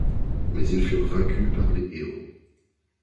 Mais ils furent vaincus par les héros.